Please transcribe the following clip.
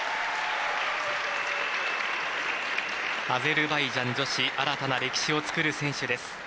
アゼルバイジャン女子新たな歴史を作る選手です。